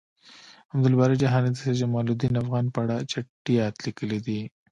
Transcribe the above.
عبد الباری جهانی د سید جمالدین افغان په اړه چټیات لیکلی دی